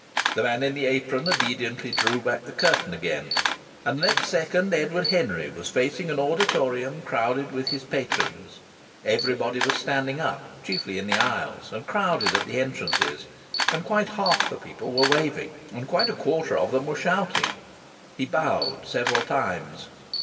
The man in the apron obediently drew back the curtain again, and the next second Edward Henry was facing an auditorium crowded with his patrons. Everybody was standing up, chiefly in the aisles and crowded at the entrances, and quite half the people were waving, and quite a quarter of them were shouting. He bowed several times.